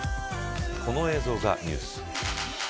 この映像がニュース。